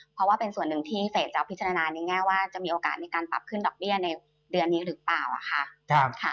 เพราะว่าเป็นส่วนหนึ่งที่เฟสจะพิจารณาในแง่ว่าจะมีโอกาสในการปรับขึ้นดอกเบี้ยในเดือนนี้หรือเปล่าค่ะ